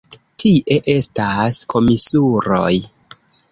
Tie estas komisuroj!